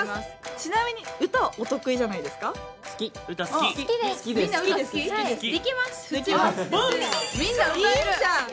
ちなみに歌はお得意じゃないですか？